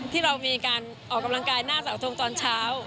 ที่เรามีการออกกำลังกายหน้าเสาทงตอนเช้า